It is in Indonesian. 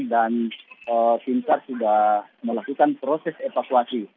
dan tim sar sudah melakukan proses evakuasi